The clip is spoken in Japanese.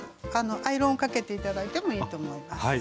アイロンをかけて頂いてもいいと思います。